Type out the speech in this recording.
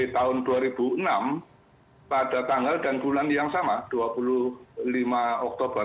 tahun dua ribu enam pada tanggal dan bulan yang sama dua puluh lima oktober